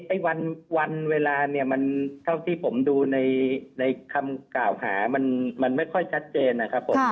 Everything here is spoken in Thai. ไอ้วันเวลาเนี่ยมันเท่าที่ผมดูในคำกล่าวหามันไม่ค่อยชัดเจนนะครับผม